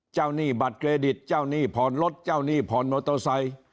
เจ้าหนี้บัตรเกรดิตเจ้าหนี้ผ่อนรถเจ้าหนี้ผ่อนโมโตซัย